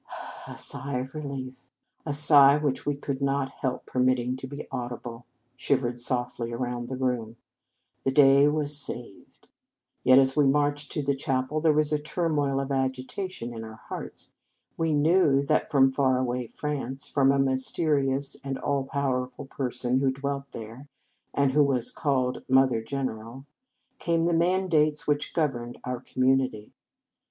A sigh of relief, a sigh which we could not help permitting to be audi ble, shivered softly around the room. The day was saved ; yet, as we marched to the chapel, there was a turmoil of agitation in our hearts. We knew that from far away France from a mysterious and all powerful person who dwelt there, and who was called Mother General came the mandates which governed our com munity.